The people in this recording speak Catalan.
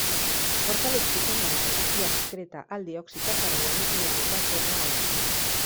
Porta l'oxigen de l'aire i excreta el diòxid de carboni i l'aigua torna a l'aire.